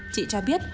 trị tra biết